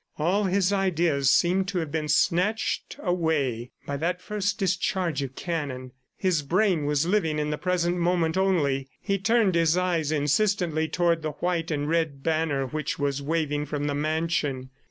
All his ideas seemed to have been snatched away by that first discharge of cannon. His brain was living in the present moment only. He turned his eyes insistently toward the white and red banner which was waving from the mansion.